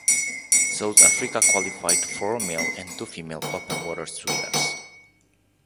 South Africa qualified four male and two female open water swimmers.